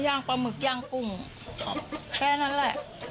ก็ยางปลาหมึกยางกุ่งแค่นั้นแหละ